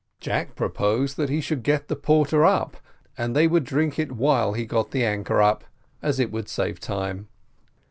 Jack proposed that he should get the porter up, and they would drink it while he got the anchor up, as it would save time.